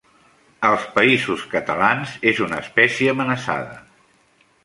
Als Països Catalans és una espècie amenaçada.